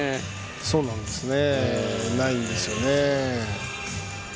そうなんですないんですよね。